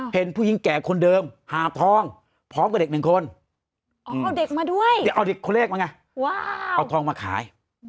เห็นผู้หญิงแก่คนเดิมหาบท้องพร้อมกับเด็กหนึ่งคนเอาเด็กคนเลขมาไงเอาท้องมาขาย